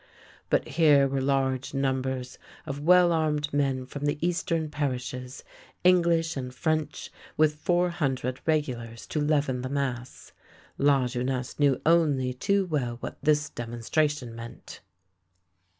But here were large numbers of well armed men from the Eastern parishes, English and French, with four hundred regulars to leaven the mass. Lajeunesse knew only too well what this demonstration meant.